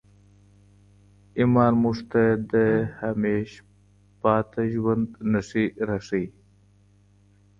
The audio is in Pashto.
ایمان موږ ته د همېشهپاته ژوند نښې راښیي.